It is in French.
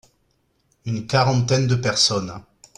Une quarantaine de personnes.